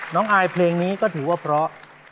อายเพลงนี้ก็ถือว่าเพราะ